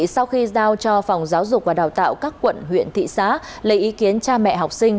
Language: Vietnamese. sau khi giao cho phòng giáo dục và đào tạo các quận huyện thị xã lấy ý kiến cha mẹ học sinh